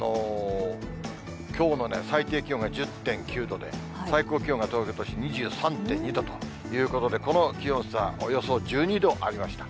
きょうの最低気温が１０．９度で、最高気温が東京都心２３．２度ということで、この気温差、およそ１２度ありました。